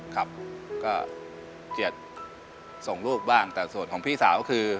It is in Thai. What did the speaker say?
ครับก็เกียรติส่งลูกบ้างแต่ส่วนของพี่สาวก็คือ